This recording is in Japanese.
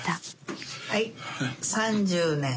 はい３０年。